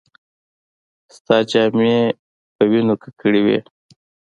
ستا جامې په وينو ککړې وې.